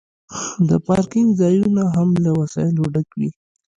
د پارکینګ ځایونه هم له وسایلو ډک وي